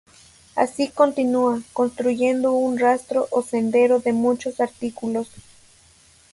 Así continua, construyendo un rastro o sendero de muchos artículos.